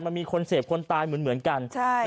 มันมีคนเสพคนตายเหมือนกัน